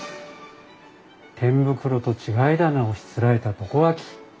天袋と違い棚をしつらえた床脇。